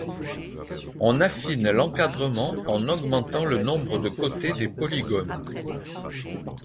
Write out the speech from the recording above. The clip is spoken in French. On affine l'encadrement en augmentant le nombre de côtés des polygones.